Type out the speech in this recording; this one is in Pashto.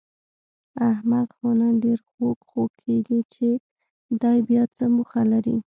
احمد خو نن ډېر خوږ خوږ کېږي، چې دی بیاڅه موخه لري؟